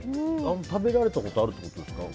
食べられたことあるんですか？